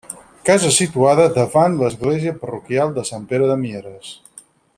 Casa situada davant l'església parroquial de Sant Pere de Mieres.